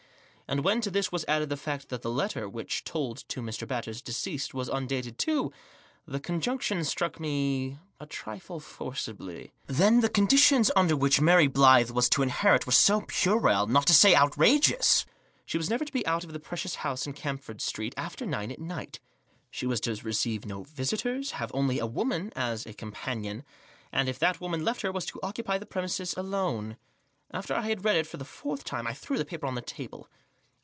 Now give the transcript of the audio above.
And when to this was added the fact that the letter which told of Mr. Batters' decease was undated too, the conjunction struck one a trifle forcibly. Then the conditions under which Mary Blyth was to inherit were so puerile, not to say outrageous. She was never to be out of the precious house in Camford Street after nine at night. She was to receive no visitors ; have only a woman as a com panion, and if that woman left her, was to occupy the premises alone. After I had read it for the fourth time I threw the paper on to the table.